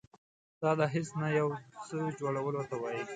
دا له هیڅ نه یو څه جوړولو ته وایي.